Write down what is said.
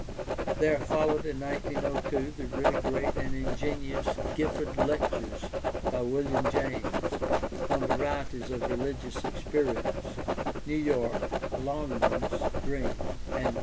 There followed in 1902 the really great and ingenious Gifford Lectures by William James, on Varieties of Religious Experience (New York: Longmans, Green, & Co.